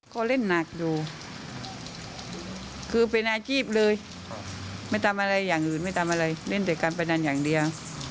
ก็เล่นหนักอยู่คือเป็นอาชีพเลยไม่ทำอะไรอย่างอื่นไม่ทำอะไรเล่นแต่การพนันอย่างเดียว